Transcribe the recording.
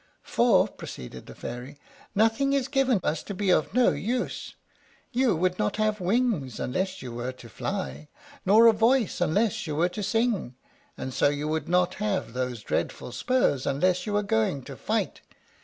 "For," proceeded the Fairy, "nothing is given us to be of no use. You would not have wings unless you were to fly, nor a voice unless you were to sing; and so you would not have those dreadful spurs unless you were going to fight.